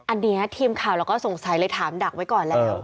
อันนี้ทีมข่าวเราก็สงสัยเลยถามดักไว้ก่อนแล้ว